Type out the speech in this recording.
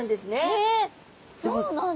へえそうなんだ。